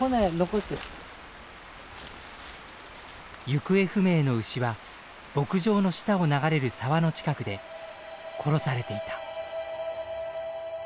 行方不明の牛は牧場の下を流れる沢の近くで殺されていた。